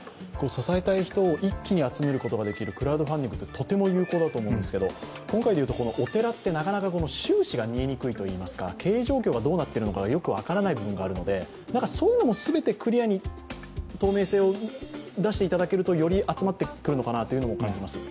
支えたい人を一気集めることができるクラウドファンディングってとても有効だと思いますけど今回でいうと、お寺ってなかなか収支が見えにくいといいますか経営状況がどうなっているかよく分からない部分があるので、そういうのも全てクリアに透明性を出していただくとより集まってくるのかなと感じます。